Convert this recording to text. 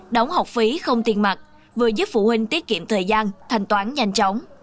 đóng học phí không tiền mặt vừa giúp phụ huynh tiết kiệm thời gian thanh toán nhanh chóng